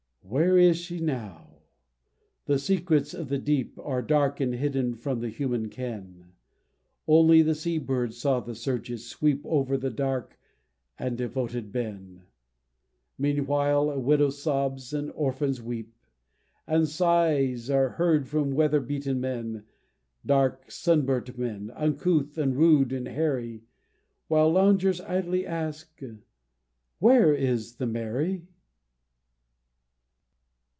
Where is she now? The secrets of the deep Are dark and hidden from the human ken; Only the sea bird saw the surges sweep Over the bark of the devoted Ben, Meanwhile a widow sobs and orphans weep, And sighs are heard from weatherbeaten men, Dark sunburnt men, uncouth and rude and hairy, While loungers idly ask, "Where is the Mary?"